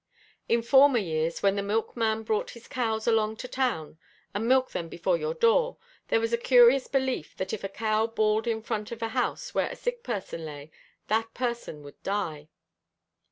In former years, when the milk man brought his cows along to town and milked them before your door, there was a curious belief that if a cow bawled in front of a house where a sick person lay, that person would die.